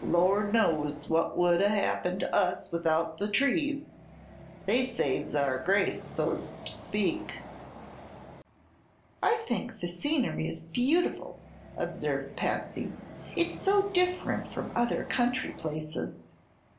"Lor' knows what would 'a' happened to us without the trees! They saves our grace, so's to speak." "I think the scenery is beautiful," observed Patsy. "It's so different from other country places."